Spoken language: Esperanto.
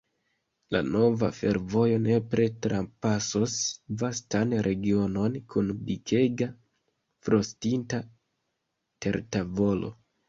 La nova fervojo nepre trapasos vastan regionon kun dikega frostinta tertavolo.